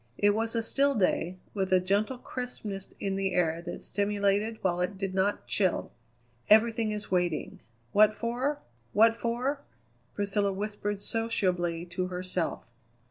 It was a still day, with a gentle crispness in the air that stimulated while it did not chill. "Everything is waiting. What for? what for?" Priscilla whispered sociably to herself.